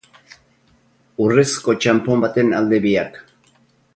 Urrezko txanpon baten alde biak.